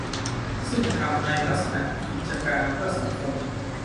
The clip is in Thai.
ซึ่งทำในลักษณะกิจการเพื่อสังคม